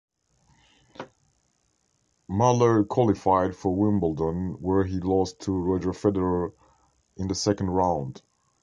Muller qualified for Wimbledon where he lost to Roger Federer in the second round.